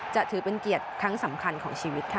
ถือเป็นเกียรติครั้งสำคัญของชีวิตค่ะ